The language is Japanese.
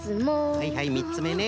はいはい３つめね。